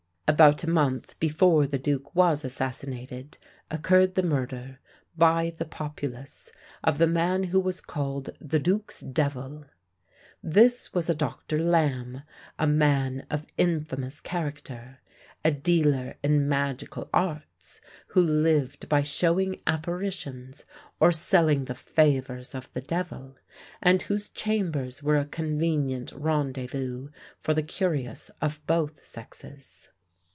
About a month before the duke was assassinated, occurred the murder, by the populace, of the man who was called "the duke's devil." This was a Dr. Lambe, a man of infamous character, a dealer in magical arts, who lived by showing apparitions, or selling the favours of the devil, and whose chambers were a convenient rendezvous for the curious of both sexes.